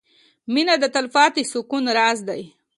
• مینه د تلپاتې سکون راز دی.